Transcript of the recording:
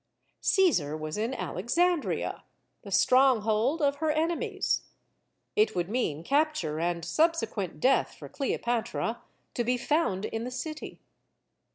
Caesar was in Alexandria, the stronghold of her enemies. It would mean capture CLEOPATRA 139 and subsequent death for Cleopatra to be found in the city.